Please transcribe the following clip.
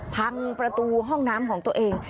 พังประตูห้องน้ำของตัวเอง